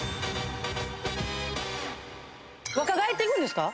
若返っていくんですか？